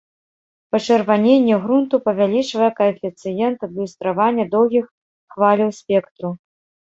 Пачырваненне грунту павялічвае каэфіцыент адлюстравання доўгіх хваляў спектру.